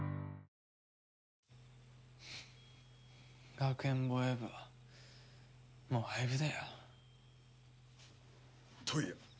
学園防衛部はもう廃部だよ。といやっ。